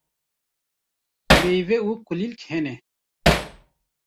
meywe û kulîlk hene.